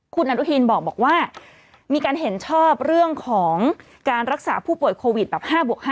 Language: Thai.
คุณอนุทินบอกว่ามีการเห็นชอบเรื่องของการรักษาผู้ป่วยโควิดแบบ๕บวก๕